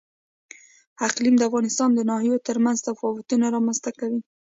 اقلیم د افغانستان د ناحیو ترمنځ تفاوتونه رامنځ ته کوي.